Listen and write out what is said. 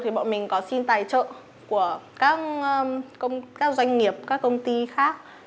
thì bọn mình có xin tài trợ của các doanh nghiệp các công ty khác